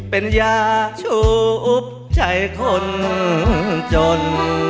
เป็นยาชูอุบใจคนจน